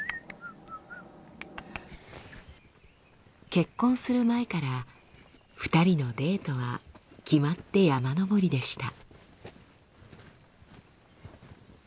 結婚する前から２人のデートは決まって山登りでした。